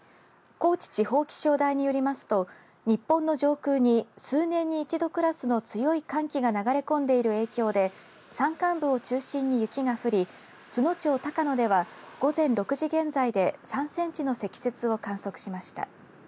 高知地方気象台によりますと日本の上空に数年に一度クラスの強い寒気が流れ込んでいる影響で山間部を中心に雪が降り津野町高野では午前６時現在で３センチの積雪を観測しました。